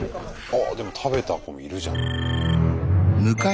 ああでも食べた子もいるじゃん。